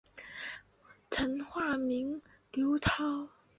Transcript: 曾化名林涛。